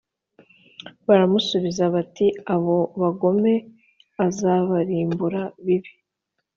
Baramusubiza bati “Abo bagome azabarimbura bibi